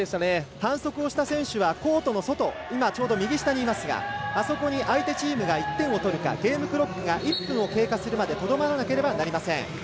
反則をした選手はコートの外相手チームが１点を取るかゲームクロックが１分を経過するまでとどまらなければなりません。